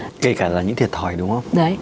ngay cả là những thiệt thòi đúng không